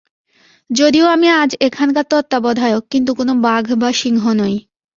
যদিও আমি আজ এখানকার তত্ত্বাবধায়ক, কিন্তু কোন বাঘ বা সিংহ নই।